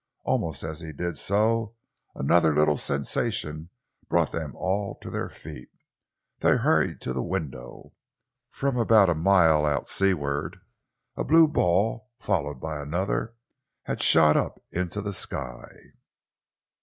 Almost as he did so, another little sensation brought them all to their feet. They hurried to the window. From about a mile out seaward, a blue ball, followed by another, had shot up into the sky.